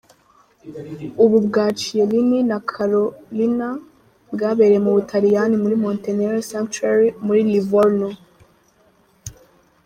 Ubu bwa Chielini na Carolina bwabereye mu Butaliyani muri Montenero Sanctuary muri Livorno.